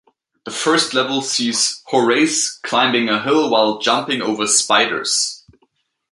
The first level sees Horace climbing a hill while jumping over spiders.